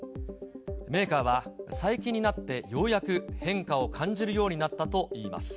メーカーは、最近になってようやく変化を感じるようになったといいます。